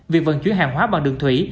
việc vận chuyển hàng hóa bằng đường thủy